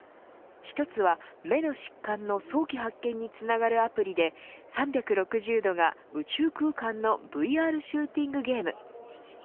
１つは目の疾患の早期発見につながるアプリで３６０度が宇宙空間のＶＲシューティングゲーム。